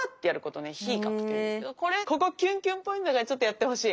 これここキュンキュンポイントだからちょっとやってほしい。